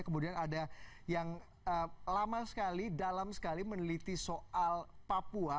kemudian ada yang lama sekali dalam sekali meneliti soal papua